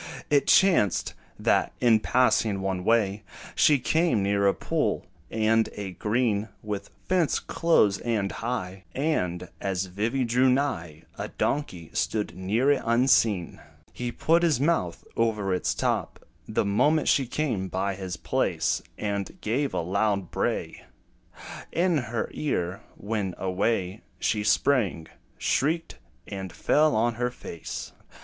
It chanced, that, in passing one way, She came near a pool, and a green With fence close and high; And, as Vivy drew nigh, A donkey stood near it unseen. He put his mouth over its top, The moment she came by his place; And gave a loud bray In her ear, when, away She sprang, shrieked, and fell on her face.